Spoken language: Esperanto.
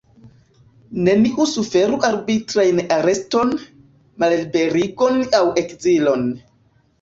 Neniu suferu arbitrajn areston, malliberigon aŭ ekzilon.